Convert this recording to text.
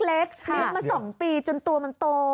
เลี้ยงมา๒ปีจนตัวมันโต